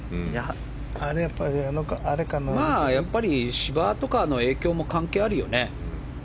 芝とかの影響も関係あるよね。